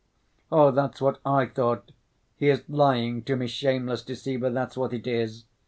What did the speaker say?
"Oh, that's what I thought! He is lying to me, shameless deceiver, that's what it is!